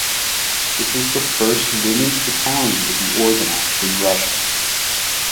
This was the first women's battalion to be organized in Russia.